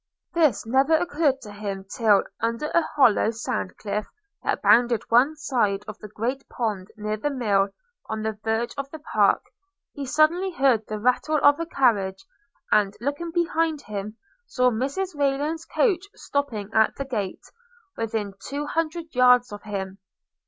This never occurred to him till, under a hollow sand cliff that bounded one side of the great pond, near the mill, on the verge of the park, he suddenly heard the rattle of a carriage, and, looking behind him, saw Mrs Rayland's coach stopping at the gate, within two hundred yards of him.